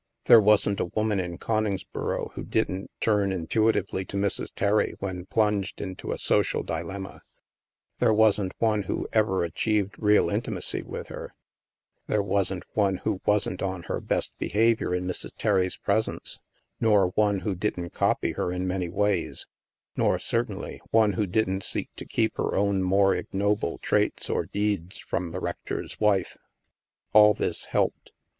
There wasn't a woman in Coningsboro who didn't turn intuitively to Mrs. Terry when plunged into a social dilemma ; there wasn't one who had ever achieved real intimacy with her; there wasn't one who wasn't on her best behavior in Mrs, Terry's presence; nor one who didn't copy her in many ways ; nor, certainly, one who didn't seek to keep her own more ignoble traits or deeds from the rector's wife. All this helped.